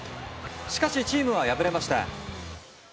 しかし、チームは敗れました。